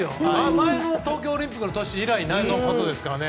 前の東京オリンピックの年以来のことですから。